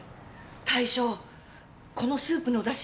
大将このスープのダシ